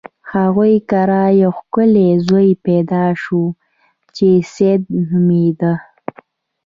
د هغوی کره یو ښکلی زوی پیدا شو چې سید نومیده.